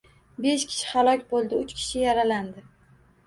Besh kishi halok bo‘ldi, uch kishi yaralandi